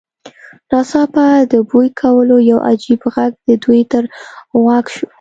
ناڅاپه د بوی کولو یو عجیب غږ د دوی تر غوږ شو